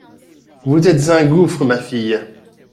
Vous êtes un gouffre, ma fille.